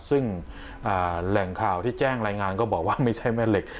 ซึ่งแหล่งข่าวที่แจ้งรายงานก็บอกว่าไม่ใช่แม่เหล็ก